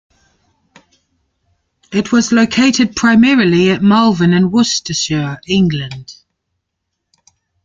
It was located primarily at Malvern in Worcestershire, England.